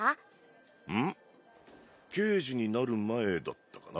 刑事になる前だったかな。